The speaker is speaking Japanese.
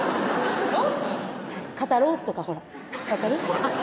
肩ロースとかほら「ほら」